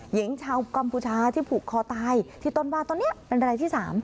หญิงชาวกัมพูชาที่ผูกคอตายที่ต้นว่าต้นนี้เป็นรายที่๓